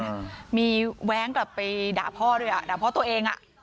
บอสพั่งคุณมีแว้งกลับไปด่าพ่ออ่ะด่าพ่อตัวเอง